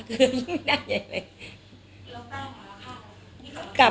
เกลือยิ่งไม่ได้